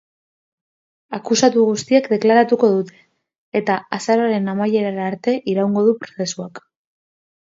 Akusatu guztiek deklaratuko dute, eta azaroaren amaierara arte iraungo du prozesuak.